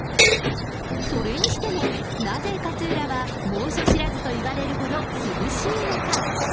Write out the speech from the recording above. それにしてもなぜ勝浦は、猛暑知らずといわれるほど涼しいのか。